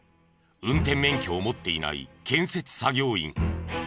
運転免許を持っていない建設作業員。